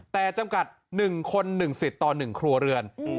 แต่จำกัด๑คน๑สิทธิ์ต่อ๑ครัวเรือน